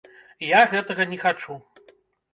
Я гэтага не хачу.